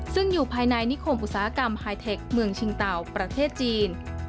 ซึ่งอยู่ภายในนิคมอุตสาหกรรมไฮเทคเมืองชิงเต่าประเทศจีน